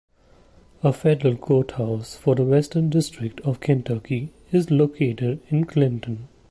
A federal courthouse for the Western District of Kentucky is located in Clinton.